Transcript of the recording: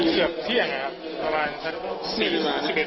เชื่อเถียงไงครับประมาณ๔นิดหนึ่งหรือบาท